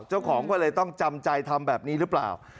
เจ้าของก็เลยต้องจำใจทำแบบนี้หรือเปล่า